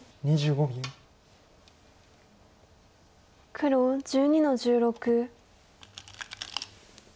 黒１２の十六。